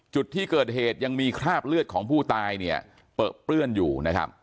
จุดที่เกิดเหตุยังมีคราบเลือดของผู้ตายเปรื้อนอยู่